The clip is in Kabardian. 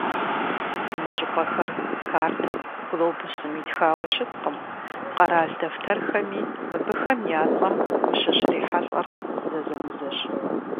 Мы щӏыпӏэхэр картэм, глобусым итхауэ щыткъым, къэрал дэфтэрхэми мыбыхэм я цӀэм ущыщрихьэлӀэр зэзэмызэщ.